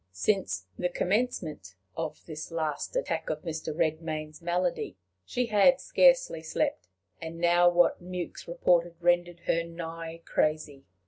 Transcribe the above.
Since the commencement of this last attack of Mr. Redmain's malady, she had scarcely slept; and now what Mewks reported rendered her nigh crazy.